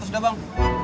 dua ratus dah bang